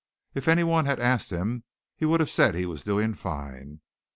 If anyone had asked him he would have said he was doing fine.